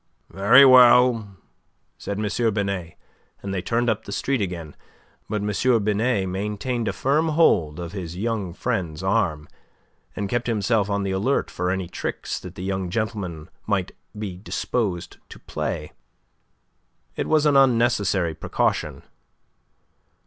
"Very well," said M. Binet, and they turned up the street again, but M. Binet maintained a firm hold of his young friend's arm, and kept himself on the alert for any tricks that the young gentleman might be disposed to play. It was an unnecessary precaution.